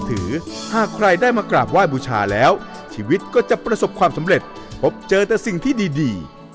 หากใครได้มากราบไหว้บูชาแล้วชีวิตก็จะประสบความสำเร็จพบเจอแต่สิ่งที่ดี